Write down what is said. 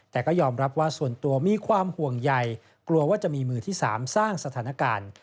แต่ก็ยอมรับว่าส่วนตัวมีความห่วงใยกลัวว่าจะมีมือที่๓สร้างสถานการณ์